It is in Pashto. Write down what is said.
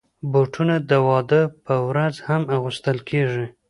بوټونه د واده پر ورځ هم اغوستل کېږي.